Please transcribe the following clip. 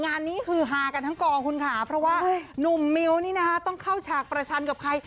งานนี้ฮือฮากันทั้งกองคุณค่ะเพราะว่าหนุ่มมิ้วนี่นะคะต้องเข้าฉากประชันกับใคร